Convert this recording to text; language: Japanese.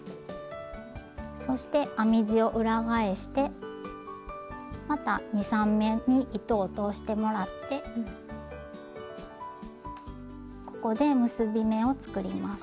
そして編み地を裏返してまた２３目に糸を通してもらってここで結び目を作ります。